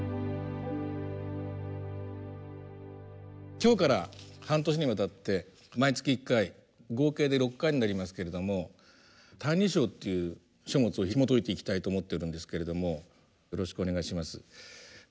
今日から半年にわたって毎月１回合計で６回になりますけれども「歎異抄」という書物をひもといていきたいと思ってるんですけれどもよろしくお願いします。